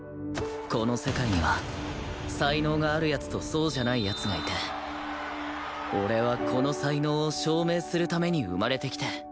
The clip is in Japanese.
この世界には才能がある奴とそうじゃない奴がいて俺はこの才能を証明するために生まれてきて